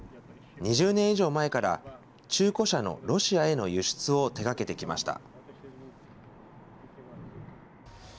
２０年以上前から中古車のロシアへの輸出を手がけてきました。